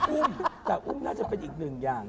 อุ้มแต่อุ้มน่าจะเป็นอีกหนึ่งอย่าง